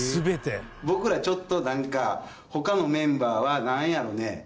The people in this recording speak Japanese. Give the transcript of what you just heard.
僕らちょっとなんか他のメンバーはなんやろね。